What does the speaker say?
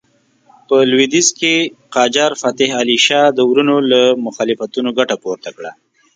په لوېدیځ کې قاجار فتح علي شاه د وروڼو له مخالفتونو ګټه پورته کړه.